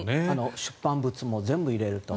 出版物も全部入れると。